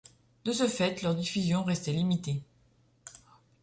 De ce fait, leur diffusion restait limitée.